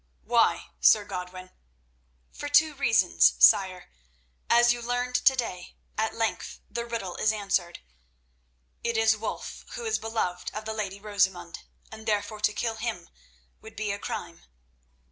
"Why, Sir Godwin?" "For two reasons, sire. As you learned to day, at length the riddle is answered. It is Wulf who is beloved of the lady Rosamund, and therefore to kill him would be a crime.